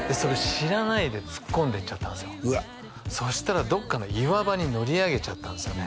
知らないで突っ込んでいっちゃったんですよそしたらどっかの岩場に乗り上げちゃったんですよね